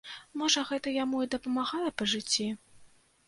Можа, гэта яму і дапамагае па жыцці?